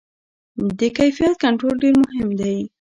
د کیفیت کنټرول ډېر مهم دی.